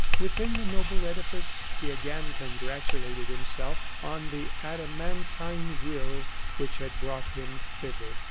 Within the noble edifice he again congratulated himself on the adamantine will which had brought him thither.